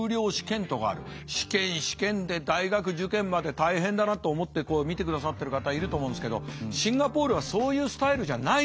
試験試験で大学受験まで大変だなと思って見てくださってる方いると思うんですけどシンガポールはそういうスタイルじゃないんですね